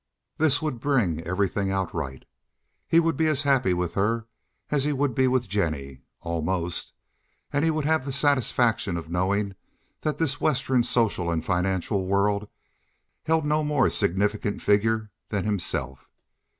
This would bring everything out right. He would be as happy with her as he would be with Jennie—almost—and he would have the satisfaction of knowing that this Western social and financial world held no more significant figure than himself.